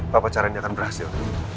bapak caranya akan berhasil